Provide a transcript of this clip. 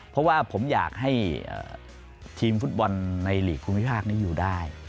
เพราะว่าผมอยากให้ทีมฟุตบอลในหลีกภูมิภาคนี้อยู่ได้